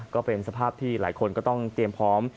ก็เป็นสภาพที่หลายคนก็ต้องเตรียมพร้อม